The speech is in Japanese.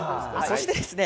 そしてですね